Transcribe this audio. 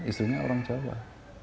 istrinya orang jawa